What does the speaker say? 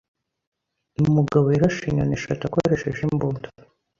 Umugabo yarashe inyoni eshatu akoresheje imbunda.